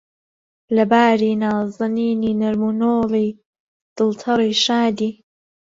لەباری، نازەنینی، نەرم و نۆڵی، دڵتەڕی، شادی